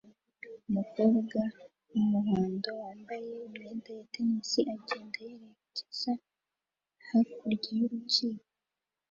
Umukobwa wumuhondo wambaye imyenda ya tennis agenda yerekeza hakurya yurukiko